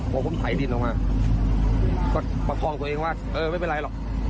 พอผมไถดินออกมาก็ประคองตัวเองว่าเออไม่เป็นไรหรอก